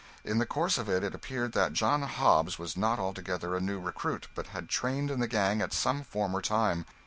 In the course of it, it appeared that 'John Hobbs' was not altogether a new recruit, but had trained in the gang at some former time.